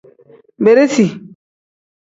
Beresi.